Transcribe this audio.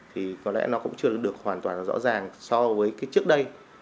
thì có lẽ nó cũng chưa được hoàn toàn rõ ràng so với cái trước đây